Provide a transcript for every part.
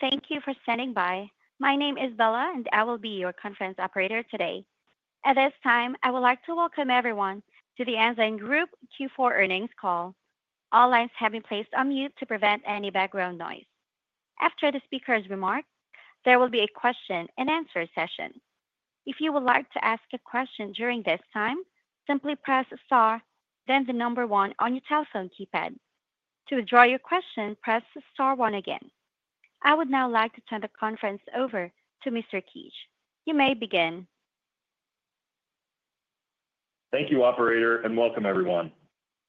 Thank you for standing by. My name is Bella, and I will be your conference operator today. At this time, I would like to welcome everyone to The Ensign Group Q4 earnings call. All lines have been placed on mute to prevent any background noise. After the speaker's remark, there will be a question-and-answer session. If you would like to ask a question during this time, simply press star, then the number one on your telephone keypad. To withdraw your question, press star one again. I would now like to turn the conference over to Mr. Keetch. You may begin. Thank you, Operator, and welcome, everyone.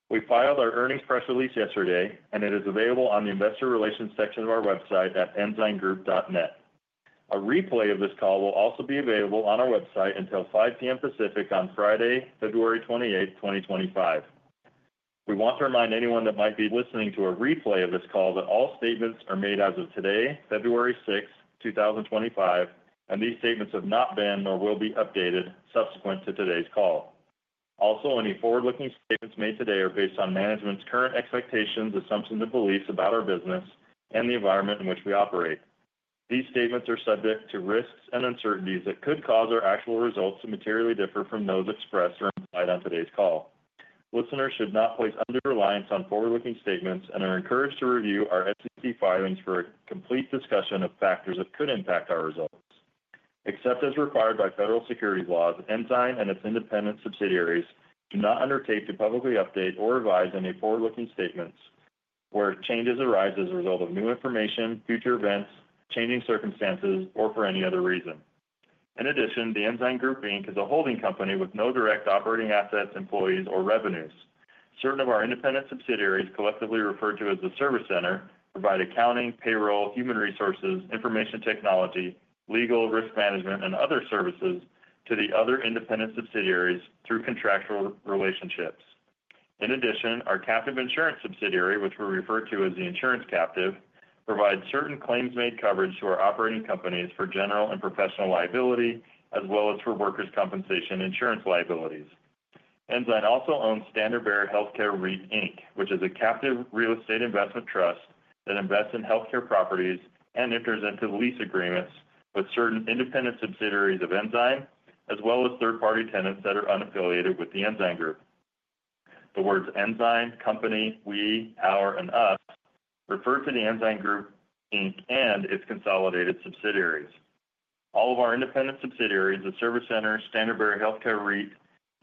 We filed our earnings press release yesterday, and it is available on the investor relations section of our website at EnsignGroup.net. A replay of this call will also be available on our website until 5:00 P.M. Pacific on Friday, February 28th, 2025. We want to remind anyone that might be listening to a replay of this call that all statements are made as of today, February 6th, 2025, and these statements have not been nor will be updated subsequent to today's call. Also, any forward-looking statements made today are based on management's current expectations, assumptions, and beliefs about our business and the environment in which we operate. These statements are subject to risks and uncertainties that could cause our actual results to materially differ from those expressed or implied on today's call. Listeners should not place undue reliance on forward-looking statements and are encouraged to review our SEC filings for a complete discussion of factors that could impact our results. Except as required by federal securities laws, Ensign and its independent subsidiaries do not undertake to publicly update or revise any forward-looking statements where changes arise as a result of new information, future events, changing circumstances, or for any other reason. In addition, The Ensign Group, Inc. is a holding company with no direct operating assets, employees, or revenues. Certain of our independent subsidiaries, collectively referred to as the Service Center, provide accounting, payroll, human resources, information technology, legal, risk management, and other services to the other independent subsidiaries through contractual relationships. In addition, our captive insurance subsidiary, which we refer to as the Insurance Captive, provides certain claims-made coverage to our operating companies for general and professional liability as well as for workers' compensation insurance liabilities. Ensign also owns Standard Bearer Healthcare REIT, Inc., which is a captive real estate investment trust that invests in healthcare properties and enters into lease agreements with certain independent subsidiaries of Ensign as well as third-party tenants that are unaffiliated with the Ensign Group. The words Ensign, Company, We, Our, and Us refer to the Ensign Group Inc. and its consolidated subsidiaries. All of our independent subsidiaries, the Service Center, Standard Bearer Healthcare REIT,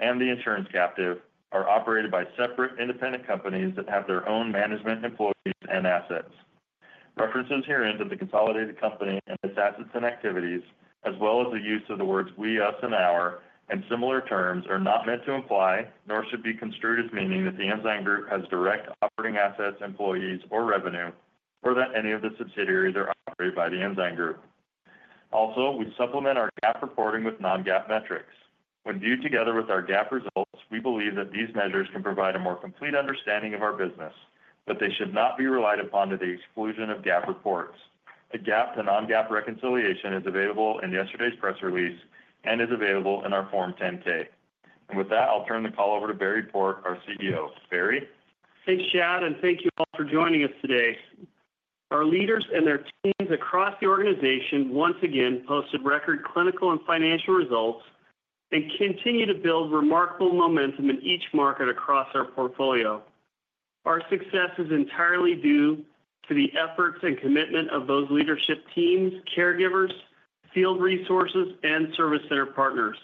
and the Insurance Captive, are operated by separate independent companies that have their own management, employees, and assets. References herein to the consolidated company and its assets and activities, as well as the use of the words We, Us, and Our, and similar terms, are not meant to imply nor should be construed as meaning that the Ensign Group has direct operating assets, employees, or revenue, or that any of the subsidiaries are operated by the Ensign Group. Also, we supplement our GAAP reporting with non-GAAP metrics. When viewed together with our GAAP results, we believe that these measures can provide a more complete understanding of our business, but they should not be relied upon to the exclusion of GAAP reports. A GAAP to non-GAAP reconciliation is available in yesterday's press release and is available in our Form 10-K. And with that, I'll turn the call over to Barry Port, our CEO. Barry? Thanks, Chad, and thank you all for joining us today. Our leaders and their teams across the organization once again posted record clinical and financial results and continue to build remarkable momentum in each market across our portfolio. Our success is entirely due to the efforts and commitment of those leadership teams, caregivers, field resources, and Service Center partners.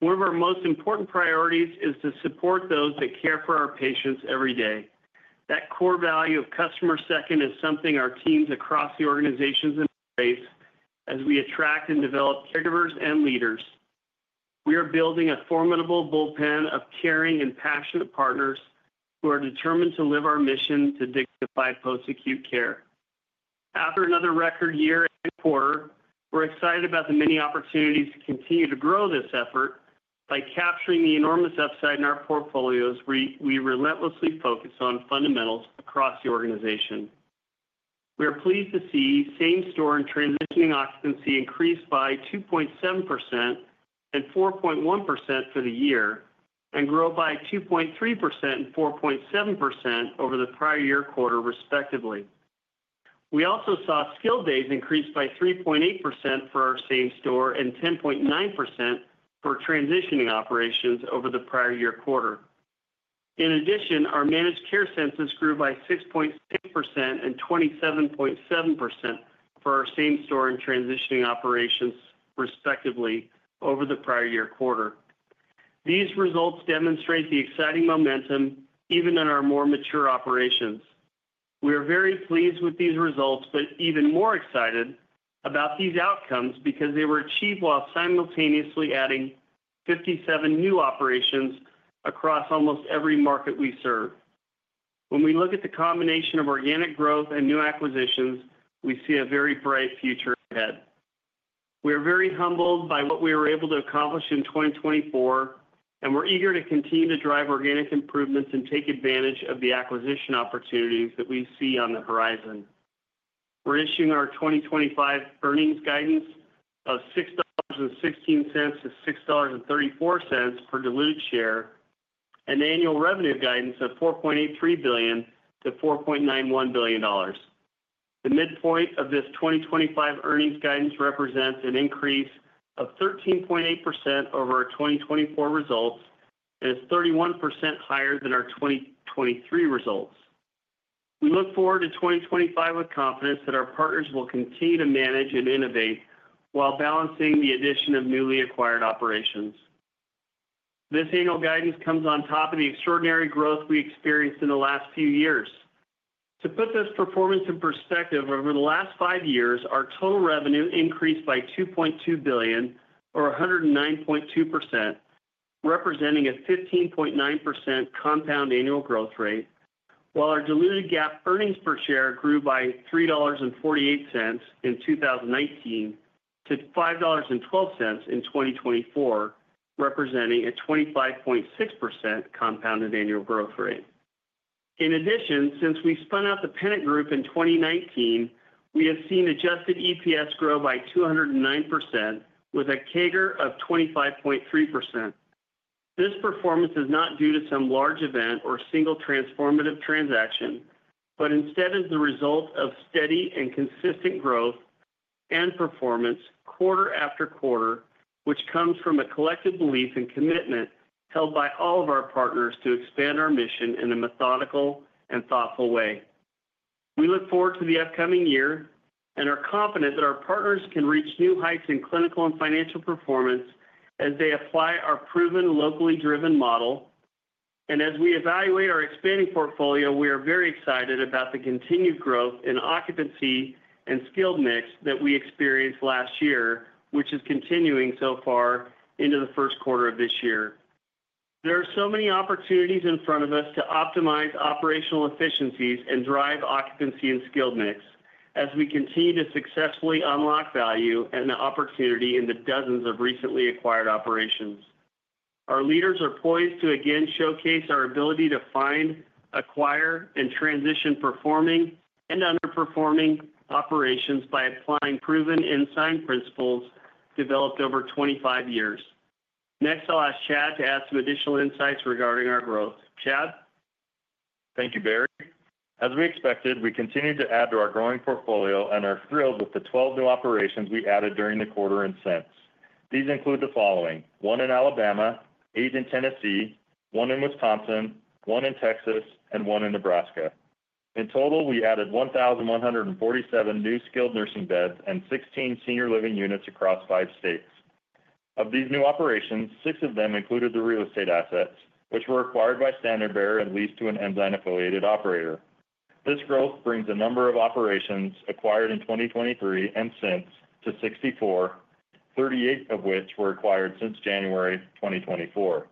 One of our most important priorities is to support those that care for our patients every day. That core value of Customer Second is something our teams across the organizations embrace as we attract and develop caregivers and leaders. We are building a formidable bullpen of caring and passionate partners who are determined to live our mission to dignify post-acute care. After another record year and quarter, we're excited about the many opportunities to continue to grow this effort by capturing the enormous upside in our portfolios, we relentlessly focus on fundamentals across the organization. We are pleased to see same-store and transitioning occupancy increase by 2.7% and 4.1% for the year and grow by 2.3% and 4.7% over the prior year quarter, respectively. We also saw skilled days increase by 3.8% for our same store and 10.9% for transitioning operations over the prior year quarter. In addition, our managed care census grew by 6.6% and 27.7% for our same store and transitioning operations, respectively, over the prior year quarter. These results demonstrate the exciting momentum even in our more mature operations. We are very pleased with these results, but even more excited about these outcomes because they were achieved while simultaneously adding 57 new operations across almost every market we serve. When we look at the combination of organic growth and new acquisitions, we see a very bright future ahead. We are very humbled by what we were able to accomplish in 2024, and we're eager to continue to drive organic improvements and take advantage of the acquisition opportunities that we see on the horizon. We're issuing our 2025 earnings guidance of $6.16-$6.34 per diluted share and annual revenue guidance of $4.83 billion-$4.91 billion. The midpoint of this 2025 earnings guidance represents an increase of 13.8% over our 2024 results and is 31% higher than our 2023 results. We look forward to 2025 with confidence that our partners will continue to manage and innovate while balancing the addition of newly acquired operations. This annual guidance comes on top of the extraordinary growth we experienced in the last few years. To put this performance in perspective, over the last five years, our total revenue increased by $2.2 billion, or 109.2%, representing a 15.9% compound annual growth rate, while our diluted GAAP earnings per share grew by $3.48 in 2019 to $5.12 in 2024, representing a 25.6% compounded annual growth rate. In addition, since we spun out the Pennant Group in 2019, we have seen adjusted EPS grow by 209% with a CAGR of 25.3%. This performance is not due to some large event or single transformative transaction, but instead is the result of steady and consistent growth and performance quarter after quarter, which comes from a collective belief and commitment held by all of our partners to expand our mission in a methodical and thoughtful way. We look forward to the upcoming year and are confident that our partners can reach new heights in clinical and financial performance as they apply our proven locally driven model, and as we evaluate our expanding portfolio, we are very excited about the continued growth in occupancy and skilled mix that we experienced last year, which is continuing so far into the first quarter of this year. There are so many opportunities in front of us to optimize operational efficiencies and drive occupancy and skilled mix as we continue to successfully unlock value and opportunity in the dozens of recently acquired operations. Our leaders are poised to again showcase our ability to find, acquire, and transition performing and underperforming operations by applying proven Ensign principles developed over 25 years. Next, I'll ask Chad to add some additional insights regarding our growth. Chad? Thank you, Barry. As we expected, we continue to add to our growing portfolio and are thrilled with the 12 new operations we added during the quarter and since. These include the following: one in Alabama, eight in Tennessee, one in Wisconsin, one in Texas, and one in Nebraska. In total, we added 1,147 new skilled nursing beds and 16 senior living units across five states. Of these new operations, six of them included the real estate assets, which were acquired by Standard Bearer and leased to an Ensign-affiliated operator. This growth brings a number of operations acquired in 2023 and since to 64, 38 of which were acquired since January 2024.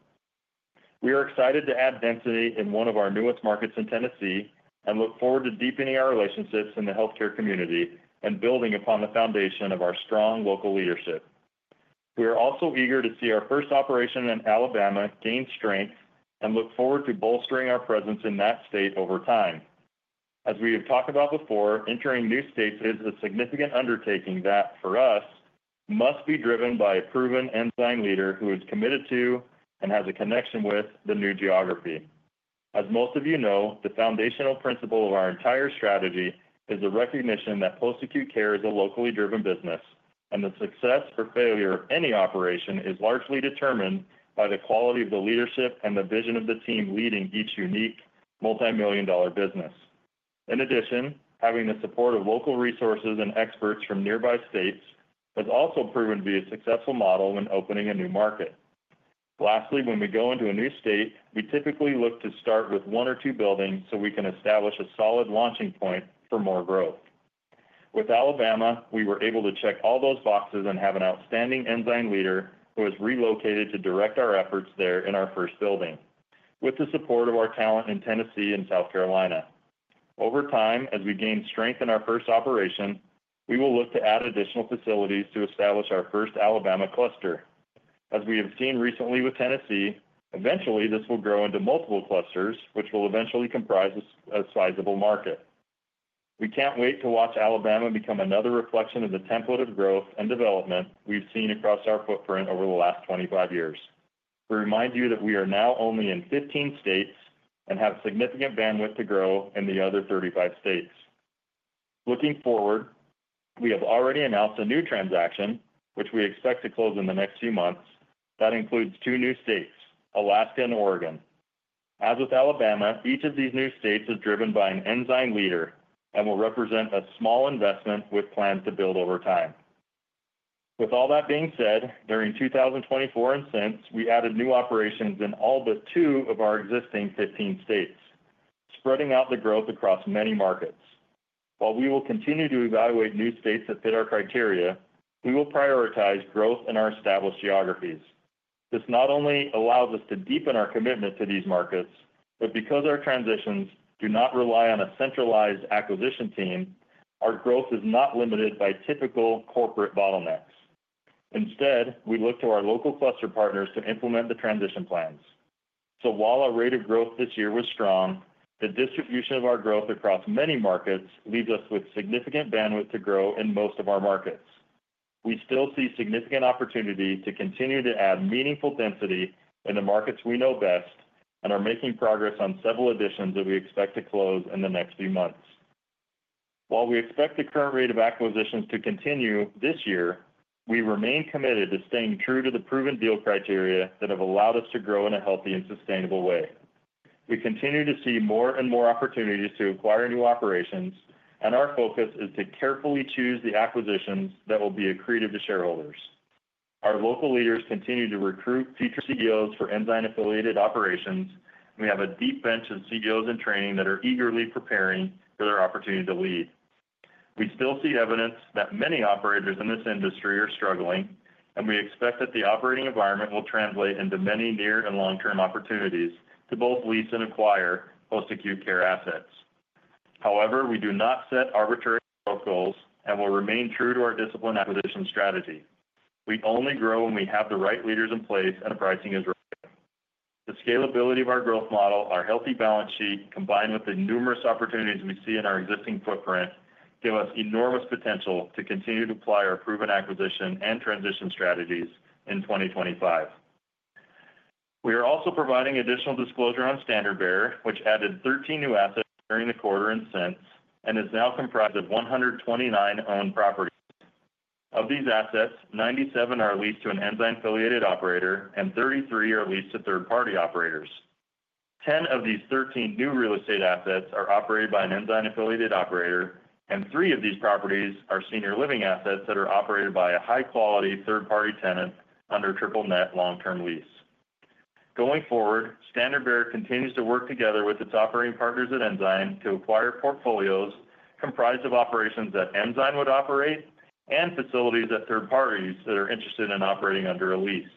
We are excited to add density in one of our newest markets in Tennessee and look forward to deepening our relationships in the healthcare community and building upon the foundation of our strong local leadership. We are also eager to see our first operation in Alabama gain strength and look forward to bolstering our presence in that state over time. As we have talked about before, entering new states is a significant undertaking that, for us, must be driven by a proven Ensign leader who is committed to and has a connection with the new geography. As most of you know, the foundational principle of our entire strategy is the recognition that post-acute care is a locally driven business, and the success or failure of any operation is largely determined by the quality of the leadership and the vision of the team leading each unique multi-million dollar business. In addition, having the support of local resources and experts from nearby states has also proven to be a successful model when opening a new market. Lastly, when we go into a new state, we typically look to start with one or two buildings so we can establish a solid launching point for more growth. With Alabama, we were able to check all those boxes and have an outstanding Ensign leader who has relocated to direct our efforts there in our first building, with the support of our talent in Tennessee and South Carolina. Over time, as we gain strength in our first operation, we will look to add additional facilities to establish our first Alabama cluster. As we have seen recently with Tennessee, eventually this will grow into multiple clusters, which will eventually comprise a sizable market. We can't wait to watch Alabama become another reflection of the template of growth and development we've seen across our footprint over the last 25 years. We remind you that we are now only in 15 states and have significant bandwidth to grow in the other 35 states. Looking forward, we have already announced a new transaction, which we expect to close in the next few months. That includes two new states, Alaska and Oregon. As with Alabama, each of these new states is driven by an Ensign leader and will represent a small investment with plans to build over time. With all that being said, during 2024 and since, we added new operations in all but two of our existing 15 states, spreading out the growth across many markets. While we will continue to evaluate new states that fit our criteria, we will prioritize growth in our established geographies. This not only allows us to deepen our commitment to these markets, but because our transitions do not rely on a centralized acquisition team, our growth is not limited by typical corporate bottlenecks. Instead, we look to our local cluster partners to implement the transition plans. So while our rate of growth this year was strong, the distribution of our growth across many markets leaves us with significant bandwidth to grow in most of our markets. We still see significant opportunity to continue to add meaningful density in the markets we know best and are making progress on several additions that we expect to close in the next few months. While we expect the current rate of acquisitions to continue this year, we remain committed to staying true to the proven deal criteria that have allowed us to grow in a healthy and sustainable way. We continue to see more and more opportunities to acquire new operations, and our focus is to carefully choose the acquisitions that will be accretive to shareholders. Our local leaders continue to recruit future CEOs for Ensign-affiliated operations, and we have a deep bench of CEOs in training that are eagerly preparing for their opportunity to lead. We still see evidence that many operators in this industry are struggling, and we expect that the operating environment will translate into many near and long-term opportunities to both lease and acquire post-acute care assets. However, we do not set arbitrary growth goals and will remain true to our disciplined acquisition strategy. We only grow when we have the right leaders in place and the pricing is right. The scalability of our growth model, our healthy balance sheet, combined with the numerous opportunities we see in our existing footprint, give us enormous potential to continue to apply our proven acquisition and transition strategies in 2025. We are also providing additional disclosure on Standard Bearer, which added 13 new assets during the quarter and since and is now comprised of 129 owned properties. Of these assets, 97 are leased to an Ensign-affiliated operator and 33 are leased to third-party operators. 10 of these 13 new real estate assets are operated by an Ensign-affiliated operator, and three of these properties are senior living assets that are operated by a high-quality third-party tenant under triple-net long-term lease. Going forward, Standard Bearer continues to work together with its operating partners at Ensign to acquire portfolios comprised of operations that Ensign would operate and facilities that third parties that are interested in operating under a lease.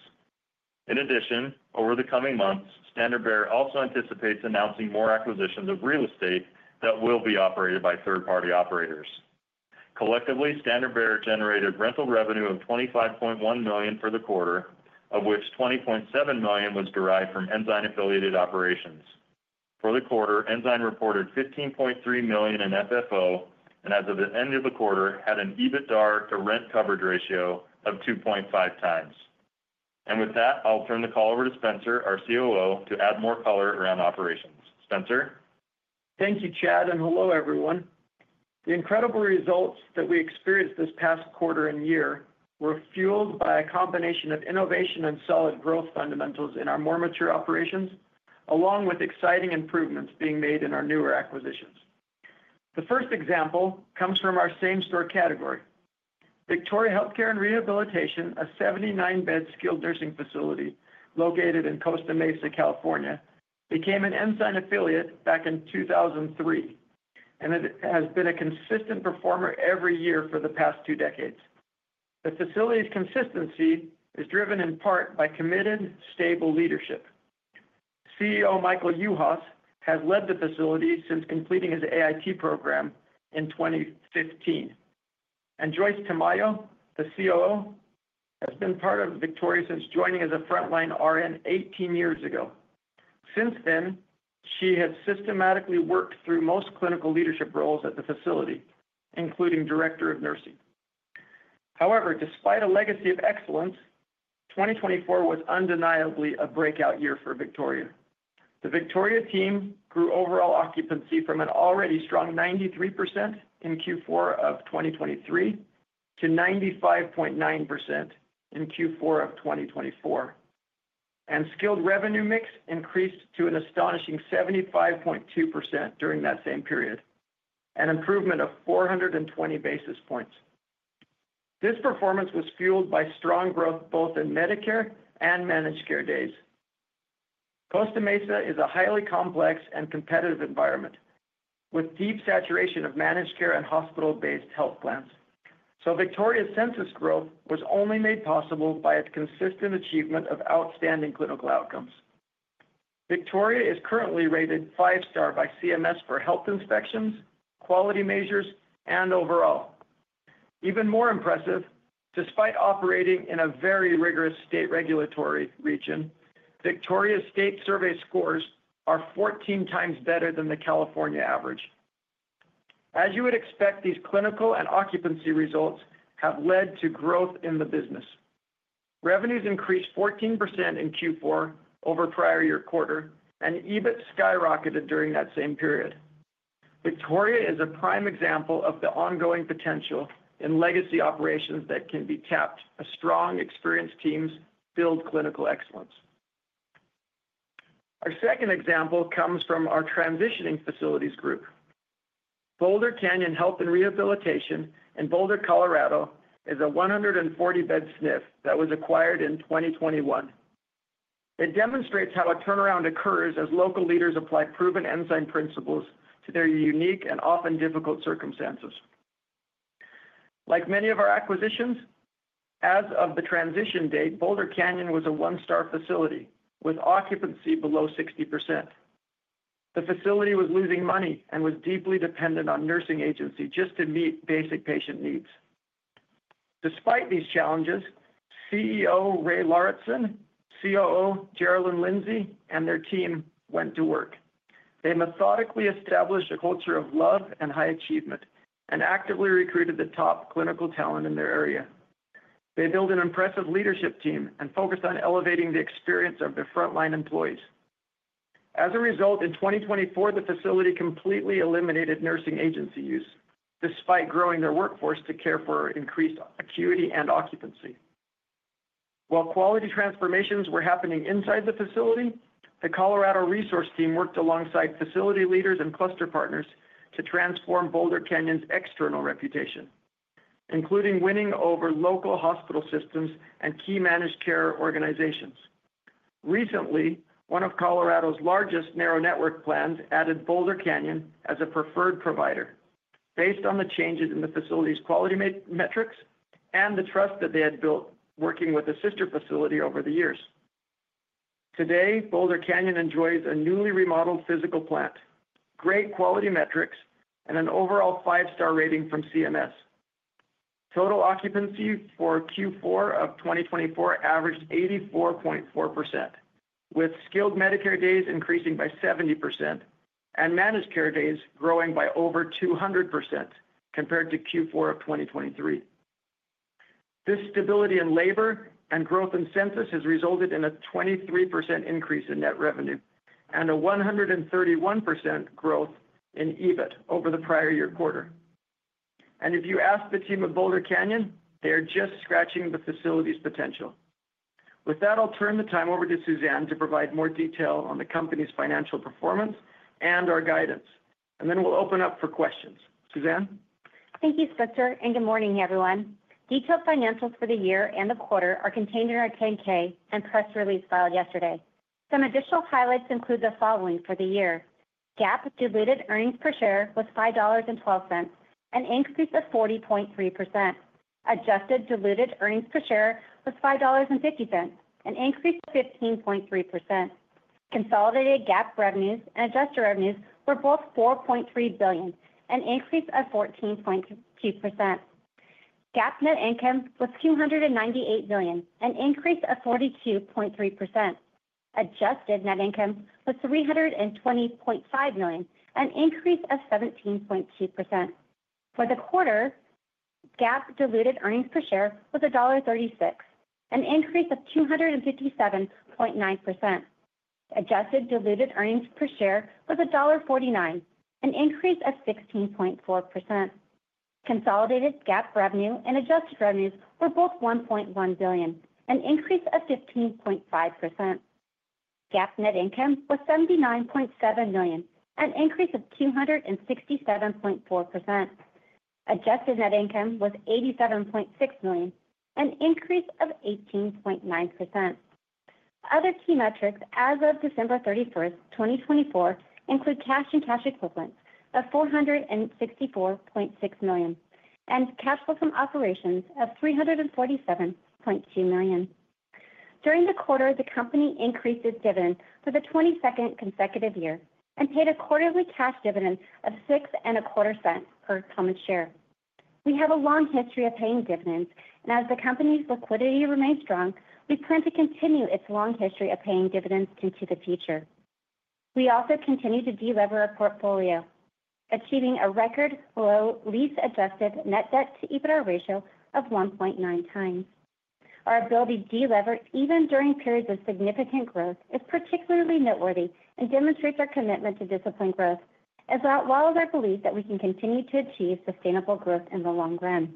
In addition, over the coming months, Standard Bearer also anticipates announcing more acquisitions of real estate that will be operated by third-party operators. Collectively, Standard Bearer generated rental revenue of $25.1 million for the quarter, of which $20.7 million was derived from Ensign-affiliated operations. For the quarter, Ensign reported $15.3 million in FFO and, as of the end of the quarter, had an EBITDA to rent coverage ratio of 2.5x. And with that, I'll turn the call over to Spencer, our COO, to add more color around operations. Spencer? Thank you, Chad, and hello, everyone. The incredible results that we experienced this past quarter and year were fueled by a combination of innovation and solid growth fundamentals in our more mature operations, along with exciting improvements being made in our newer acquisitions. The first example comes from our same store category. Victoria Healthcare and Rehabilitation, a 79-bed skilled nursing facility located in Costa Mesa, California, became an Ensign affiliate back in 2003, and it has been a consistent performer every year for the past two decades. The facility's consistency is driven in part by committed, stable leadership. CEO Michael Uhas has led the facility since completing his AIT program in 2015. And Joyce Tamayo, the COO, has been part of Victoria since joining as a frontline RN 18 years ago. Since then, she has systematically worked through most clinical leadership roles at the facility, including Director of Nursing. However, despite a legacy of excellence, 2024 was undeniably a breakout year for Victoria. The Victoria team grew overall occupancy from an already strong 93% in Q4 of 2023 to 95.9% in Q4 of 2024, and skilled revenue mix increased to an astonishing 75.2% during that same period, an improvement of 420 basis points. This performance was fueled by strong growth both in Medicare and managed care days. Costa Mesa is a highly complex and competitive environment with deep saturation of managed care and hospital-based health plans. So Victoria's census growth was only made possible by its consistent achievement of outstanding clinical outcomes. Victoria is currently rated five-star by CMS for health inspections, quality measures, and overall. Even more impressive, despite operating in a very rigorous state regulatory region, Victoria's state survey scores are 14 times better than the California average. As you would expect, these clinical and occupancy results have led to growth in the business. Revenues increased 14% in Q4 over prior year quarter, and EBIT skyrocketed during that same period. Victoria is a prime example of the ongoing potential in legacy operations that can be tapped as strong, experienced teams build clinical excellence. Our second example comes from our transitioning facilities group. Boulder Canyon Health and Rehabilitation in Boulder, Colorado, is a 140-bed SNF that was acquired in 2021. It demonstrates how a turnaround occurs as local leaders apply proven Ensign principles to their unique and often difficult circumstances. Like many of our acquisitions, as of the transition date, Boulder Canyon was a one-star facility with occupancy below 60%. The facility was losing money and was deeply dependent on nursing agency just to meet basic patient needs. Despite these challenges, CEO Ray Lauritzen, COO Jerelyn Lindsey, and their team went to work. They methodically established a culture of love and high achievement and actively recruited the top clinical talent in their area. They built an impressive leadership team and focused on elevating the experience of their frontline employees. As a result, in 2024, the facility completely eliminated nursing agency use despite growing their workforce to care for increased acuity and occupancy. While quality transformations were happening inside the facility, the Colorado Resource Team worked alongside facility leaders and cluster partners to transform Boulder Canyon's external reputation, including winning over local hospital systems and key managed care organizations. Recently, one of Colorado's largest narrow network plans added Boulder Canyon as a preferred provider, based on the changes in the facility's quality metrics and the trust that they had built working with a sister facility over the years. Today, Boulder Canyon enjoys a newly remodeled physical plant, great quality metrics, and an overall five-star rating from CMS. Total occupancy for Q4 of 2024 averaged 84.4%, with skilled Medicare days increasing by 70% and managed care days growing by over 200% compared to Q4 of 2023. This stability in labor and growth in census has resulted in a 23% increase in net revenue and a 131% growth in EBIT over the prior year quarter. And if you ask the team at Boulder Canyon, they are just scratching the facility's potential. With that, I'll turn the time over to Suzanne to provide more detail on the company's financial performance and our guidance, and then we'll open up for questions. Suzanne? Thank you, Spencer, and good morning, everyone. Detailed financials for the year and the quarter are contained in our 10-K and press release filed yesterday. Some additional highlights include the following for the year: GAAP diluted earnings per share was $5.12, an increase of 40.3%. Adjusted diluted earnings per share was $5.50, an increase of 15.3%. Consolidated GAAP revenues and adjusted revenues were both $4.3 billion, an increase of 14.2%. GAAP net income was $298 million, an increase of 42.3%. Adjusted net income was $320.5 million, an increase of 17.2%. For the quarter, GAAP diluted earnings per share was $1.36, an increase of 257.9%. Adjusted diluted earnings per share was $1.49, an increase of 16.4%. Consolidated GAAP revenue and adjusted revenues were both $1.1 billion, an increase of 15.5%. GAAP net income was $79.7 million, an increase of 267.4%. Adjusted net income was $87.6 million, an increase of 18.9%. Other key metrics as of December 31st, 2024, include cash and cash equivalents of $464.6 million and cash flow from operations of $347.2 million. During the quarter, the company increased its dividend for the 22nd consecutive year and paid a quarterly cash dividend of $0.0625 per common share. We have a long history of paying dividends, and as the company's liquidity remains strong, we plan to continue its long history of paying dividends into the future. We also continue to delever our portfolio, achieving a record-low lease-adjusted net debt-to-EBITDA ratio of 1.9 times. Our ability to delever even during periods of significant growth is particularly noteworthy and demonstrates our commitment to disciplined growth, as well as our belief that we can continue to achieve sustainable growth in the long run.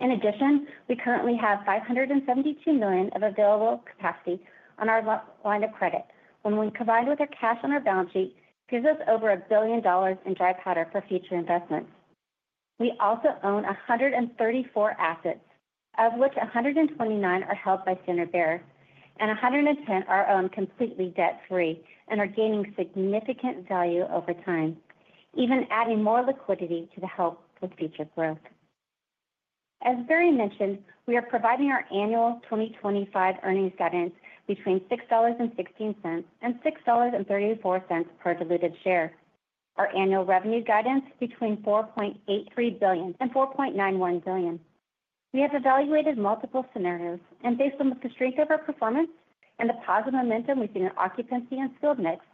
In addition, we currently have $572 million of available capacity on our line of credit, which, when combined with our cash on our balance sheet, gives us over $1 billion in dry powder for future investments. We also own 134 assets, of which 129 are held by Standard Bearer and 110 are owned completely debt-free and are gaining significant value over time, even adding more liquidity to help with future growth. As Barry mentioned, we are providing our annual 2025 earnings guidance between $6.16 and $6.34 per diluted share, our annual revenue guidance between $4.83 billion and $4.91 billion. We have evaluated multiple scenarios and, based on the strength of our performance and the positive momentum we've seen in occupancy and skilled mix,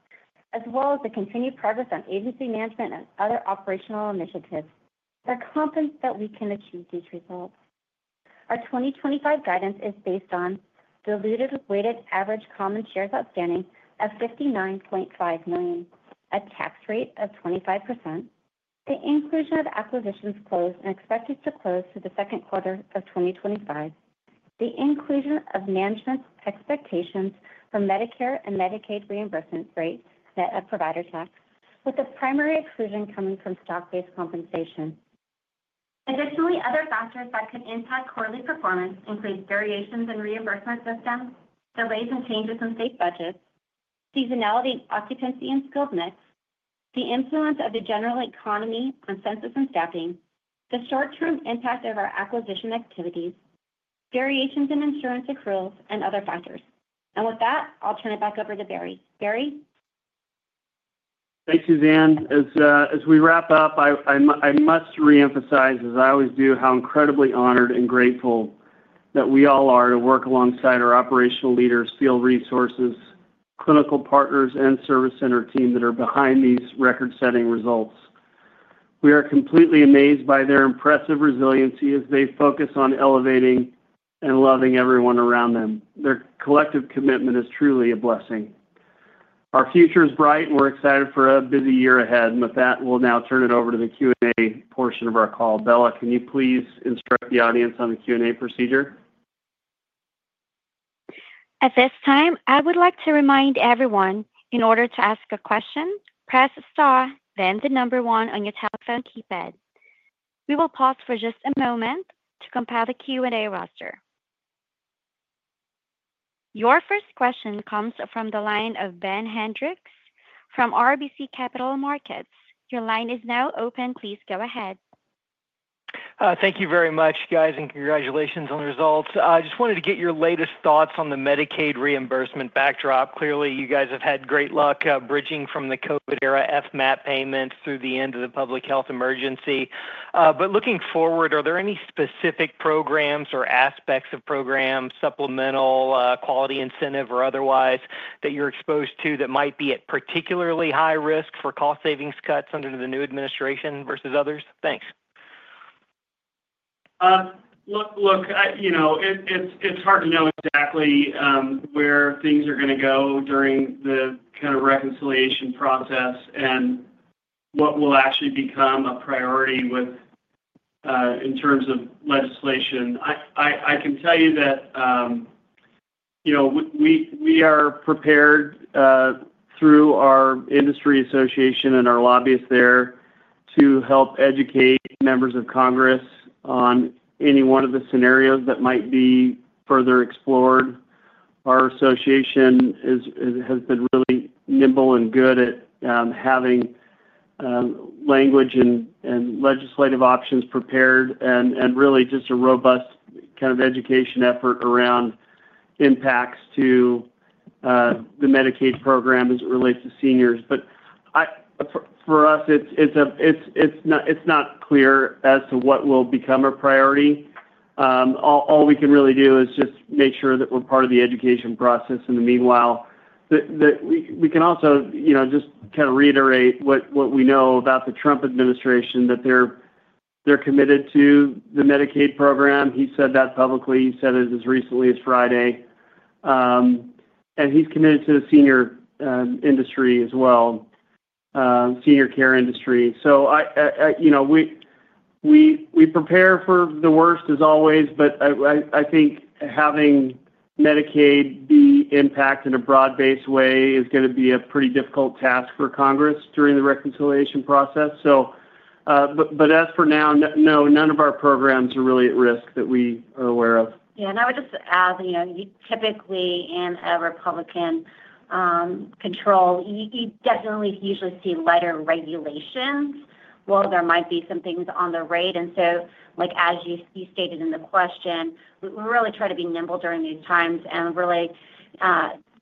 as well as the continued progress on agency management and other operational initiatives, are confident that we can achieve these results. Our 2025 guidance is based on diluted weighted average common shares outstanding of 59.5 million, a tax rate of 25%, the inclusion of acquisitions closed and expected to close through the second quarter of 2025, the inclusion of management expectations for Medicare and Medicaid reimbursement rate net of provider tax, with the primary exclusion coming from stock-based compensation. Additionally, other factors that could impact quarterly performance include variations in reimbursement systems, delays and changes in state budgets, seasonality in occupancy and skilled mix, the influence of the general economy on census and staffing, the short-term impact of our acquisition activities, variations in insurance accruals, and other factors. And with that, I'll turn it back over to Barry. Barry? Thanks, Suzanne. As we wrap up, I must reemphasize, as I always do, how incredibly honored and grateful that we all are to work alongside our operational leaders, field resources, clinical partners, and Service Center team that are behind these record-setting results. We are completely amazed by their impressive resiliency as they focus on elevating and loving everyone around them. Their collective commitment is truly a blessing. Our future is bright, and we're excited for a busy year ahead. And with that, we'll now turn it over to the Q&A portion of our call. Bella, can you please instruct the audience on the Q&A procedure? At this time, I would like to remind everyone, in order to ask a question, press star, then the number one on your telephone keypad. We will pause for just a moment to compile the Q&A roster. Your first question comes from the line of Ben Hendrix from RBC Capital Markets. Your line is now open. Please go ahead. Thank you very much, guys, and congratulations on the results. I just wanted to get your latest thoughts on the Medicaid reimbursement backdrop. Clearly, you guys have had great luck bridging from the COVID-era FMAP payments through the end of the public health emergency. But looking forward, are there any specific programs or aspects of programs, supplemental quality incentive or otherwise, that you're exposed to that might be at particularly high risk for cost savings cuts under the new administration versus others? Thanks. Look, you know it's hard to know exactly where things are going to go during the kind of reconciliation process and what will actually become a priority in terms of legislation. I can tell you that we are prepared through our industry association and our lobbyists there to help educate members of Congress on any one of the scenarios that might be further explored. Our association has been really nimble and good at having language and legislative options prepared and really just a robust kind of education effort around impacts to the Medicaid program as it relates to seniors. But for us, it's not clear as to what will become a priority. All we can really do is just make sure that we're part of the education process. In the meanwhile, we can also just kind of reiterate what we know about the Trump administration, that they're committed to the Medicaid program. He said that publicly. He said it as recently as Friday, and he's committed to the senior industry as well, senior care industry, so we prepare for the worst, as always, but I think having Medicaid be impacted in a broad-based way is going to be a pretty difficult task for Congress during the reconciliation process, but as for now, no, none of our programs are really at risk that we are aware of. Yeah, and I would just add, typically in a Republican control, you definitely usually see lighter regulations while there might be some things on the rate, and so, as you stated in the question, we really try to be nimble during these times and really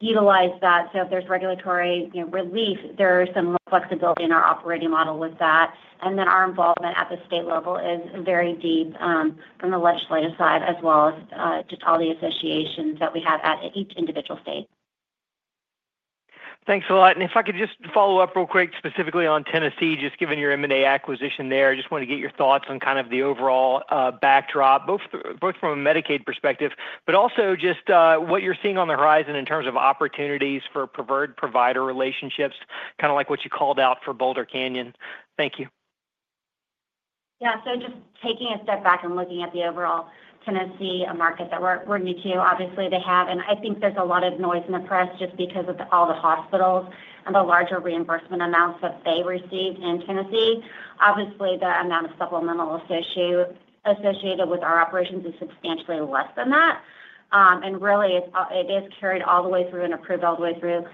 utilize that, so if there's regulatory relief, there is some flexibility in our operating model with that, and then our involvement at the state level is very deep from the legislative side, as well as just all the associations that we have at each individual state. Thanks a lot. And if I could just follow up real quick, specifically on Tennessee, just given your M&A acquisition there, I just wanted to get your thoughts on kind of the overall backdrop, both from a Medicaid perspective, but also just what you're seeing on the horizon in terms of opportunities for preferred provider relationships, kind of like what you called out for Boulder Canyon. Thank you. Yeah. So just taking a step back and looking at the overall Tennessee market that we're new to, obviously they have, and I think there's a lot of noise in the press just because of all the hospitals and the larger reimbursement amounts that they receive in Tennessee. Obviously, the amount of supplemental associated with our operations is substantially less than that. And really, it is carried all the way through and approved all the way through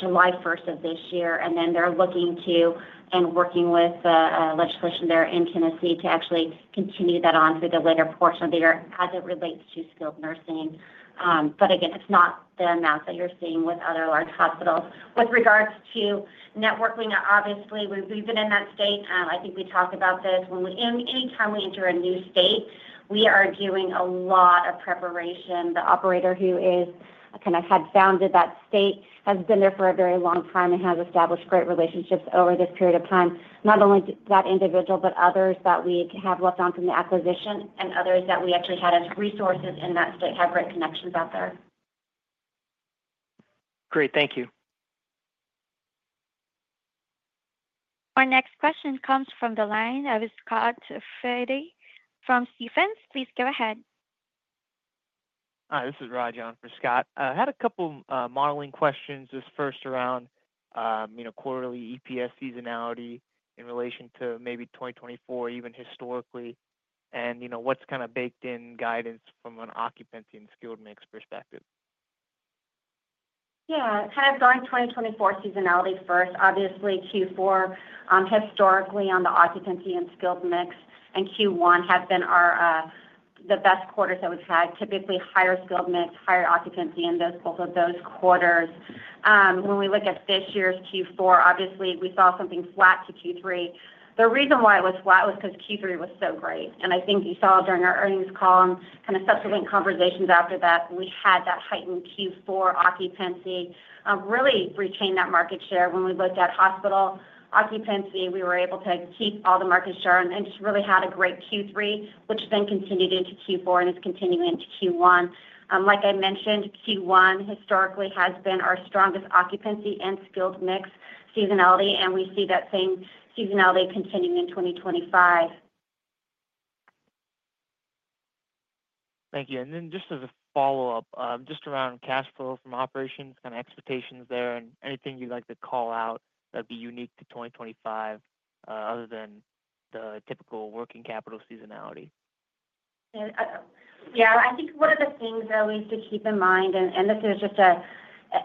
July 1st of this year. And then they're looking to and working with the legislation there in Tennessee to actually continue that on through the later portion of the year as it relates to skilled nursing. But again, it's not the amounts that you're seeing with other large hospitals. With regards to networking, obviously, we've been in that state. I think we talked about this. Anytime we enter a new state, we are doing a lot of preparation. The operator who kind of had founded that state has been there for a very long time and has established great relationships over this period of time, not only that individual, but others that we have left on from the acquisition and others that we actually had as resources in that state have great connections out there. Great. Thank you. Our next question comes from the line of Scott Fidel from Stephens. Please go ahead. Hi. This is Raj on, for Scott. I had a couple of modeling questions. This first around quarterly EPS seasonality in relation to maybe 2024, even historically, and what's kind of baked-in guidance from an occupancy and skilled mix perspective. Yeah. Kind of going 2024 seasonality first, obviously. Q4 historically on the occupancy and skilled mix, and Q1 have been the best quarters that we've had, typically higher skilled mix, higher occupancy in both of those quarters. When we look at this year's Q4, obviously, we saw something flat to Q3. The reason why it was flat was because Q3 was so great. And I think you saw during our earnings call, kind of subsequent conversations after that, we had that heightened Q4 occupancy, really retained that market share. When we looked at hospital occupancy, we were able to keep all the market share and just really had a great Q3, which then continued into Q4 and is continuing into Q1. Like I mentioned, Q1 historically has been our strongest occupancy and skilled mix seasonality, and we see that same seasonality continuing in 2025. Thank you. And then, just as a follow-up, just around cash flow from operations, kind of expectations there, and anything you'd like to call out that'd be unique to 2025 other than the typical working capital seasonality. Yeah. I think one of the things that we need to keep in mind, and this is just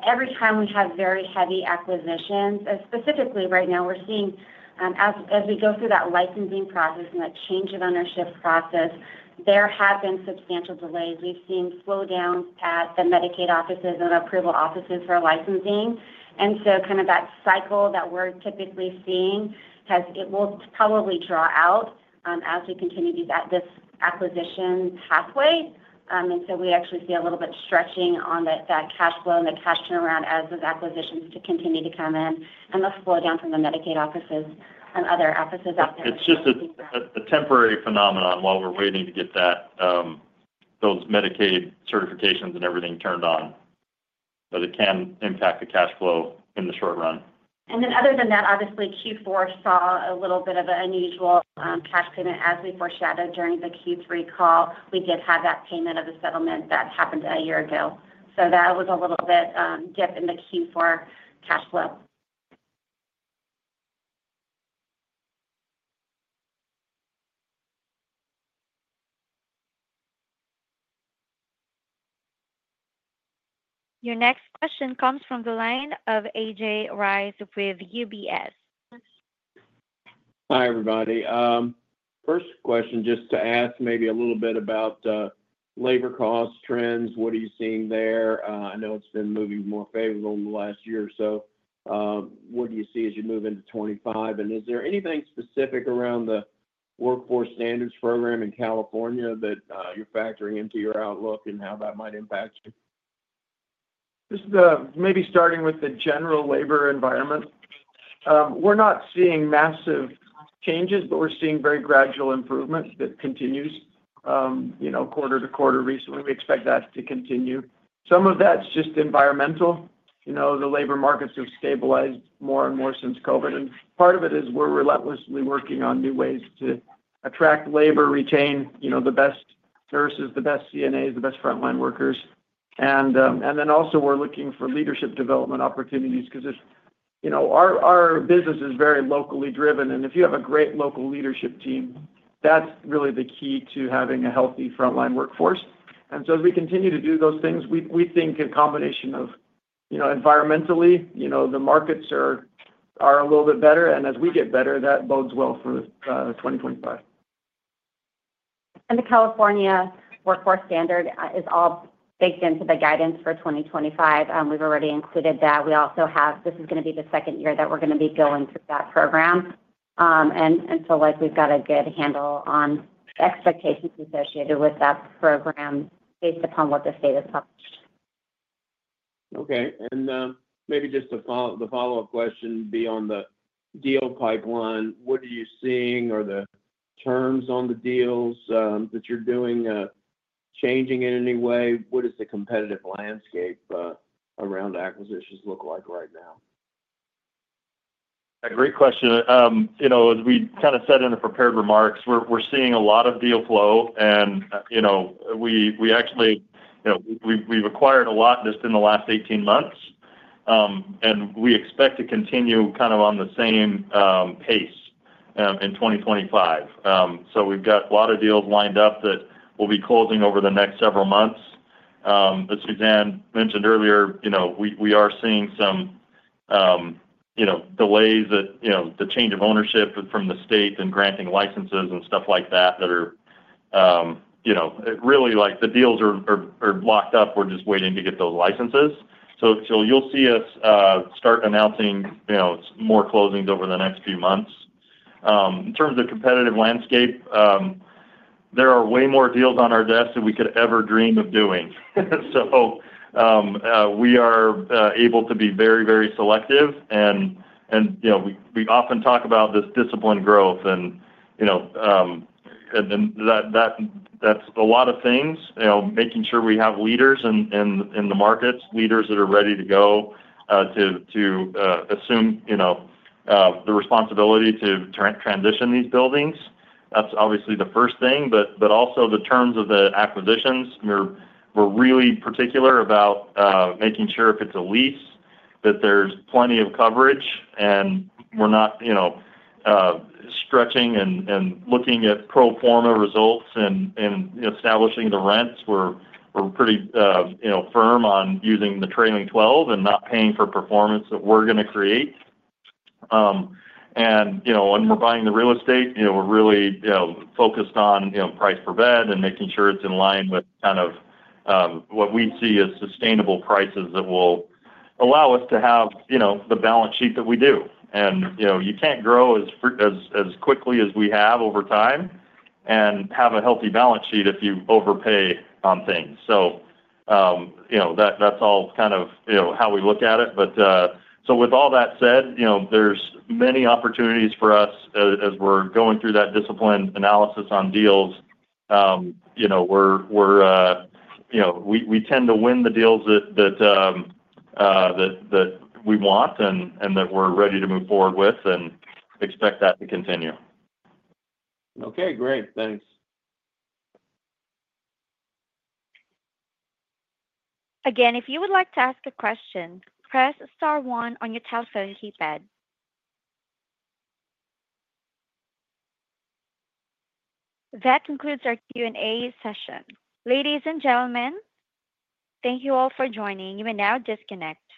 every time we have very heavy acquisitions, specifically right now, we're seeing as we go through that licensing process and that change of ownership process, there have been substantial delays. We've seen slowdowns at the Medicaid offices and approval offices for licensing. And so kind of that cycle that we're typically seeing will probably draw out as we continue this acquisition pathway. And so we actually see a little bit stretching on that cash flow and the cash turnaround as those acquisitions continue to come in and the slowdown from the Medicaid offices and other offices out there. It's just a temporary phenomenon while we're waiting to get those Medicaid certifications and everything turned on, but it can impact the cash flow in the short run. And then other than that, obviously, Q4 saw a little bit of an unusual cash payment as we foreshadowed during the Q3 call. We did have that payment of the settlement that happened a year ago. So that was a little bit dip in the Q4 cash flow. Your next question comes from the line of AJ Rice with UBS. Hi, everybody. First question, just to ask maybe a little bit about labor cost trends. What are you seeing there? I know it's been moving more favorable in the last year or so. What do you see as you move into 2025? And is there anything specific around the workforce standards program in California that you're factoring into your outlook and how that might impact you? Just maybe starting with the general labor environment. We're not seeing massive changes, but we're seeing very gradual improvement that continues quarter to quarter recently. We expect that to continue. Some of that's just environmental. The labor markets have stabilized more and more since COVID. And part of it is we're relentlessly working on new ways to attract labor, retain the best nurses, the best CNAs, the best frontline workers. And then also, we're looking for leadership development opportunities because our business is very locally driven. And if you have a great local leadership team, that's really the key to having a healthy frontline workforce. And so as we continue to do those things, we think a combination of environmentally, the markets are a little bit better. And as we get better, that bodes well for 2025. And the California workforce standard is all baked into the guidance for 2025. We've already included that. We also have this is going to be the second year that we're going to be going through that program. And so we've got a good handle on expectations associated with that program based upon what the state has published. Okay, and maybe just the follow-up question beyond the deal pipeline. What are you seeing? Are the terms on the deals that you're doing changing in any way? What does the competitive landscape around acquisitions look like right now? A great question. As we kind of said in the prepared remarks, we're seeing a lot of deal flow. And we actually, we've acquired a lot just in the last 18 months, and we expect to continue kind of on the same pace in 2025. So we've got a lot of deals lined up that we'll be closing over the next several months. As Suzanne mentioned earlier, we are seeing some delays in the change of ownership from the state and granting licenses and stuff like that are really like the deals are locked up. We're just waiting to get those licenses. So you'll see us start announcing more closings over the next few months. In terms of competitive landscape, there are way more deals on our desk than we could ever dream of doing. So we are able to be very, very selective. We often talk about this disciplined growth. That's a lot of things, making sure we have leaders in the markets, leaders that are ready to go to assume the responsibility to transition these buildings. That's obviously the first thing, but also the terms of the acquisitions. We're really particular about making sure if it's a lease that there's plenty of coverage and we're not stretching and looking at pro forma results and establishing the rents. We're pretty firm on using the trailing 12 and not paying for performance that we're going to create. When we're buying the real estate, we're really focused on price per bed and making sure it's in line with kind of what we see as sustainable prices that will allow us to have the balance sheet that we do. And you can't grow as quickly as we have over time and have a healthy balance sheet if you overpay on things. So that's all kind of how we look at it. But so with all that said, there's many opportunities for us as we're going through that discipline analysis on deals. We tend to win the deals that we want and that we're ready to move forward with and expect that to continue. Okay. Great. Thanks. Again, if you would like to ask a question, press star one on your telephone keypad. That concludes our Q&A session. Ladies and gentlemen, thank you all for joining. You may now disconnect.